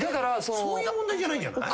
そういう問題じゃないんじゃない？